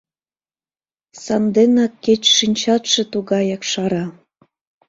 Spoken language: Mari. Санденак кеч шинчатше тугаяк шара